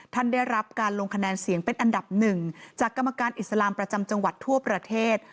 ได้รับการลงคะแนนเสียงเป็นอันดับหนึ่งจากกรรมการอิสลามประจำจังหวัดทั่วประเทศ